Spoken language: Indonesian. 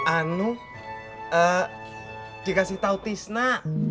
anu dikasih tau tisna